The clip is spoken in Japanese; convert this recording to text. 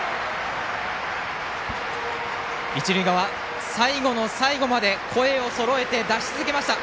一塁側、最後の最後まで声をそろえて、出し続けました。